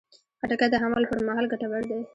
خټکی د حمل پر مهال ګټور دی.